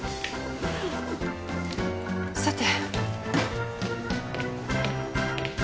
さて。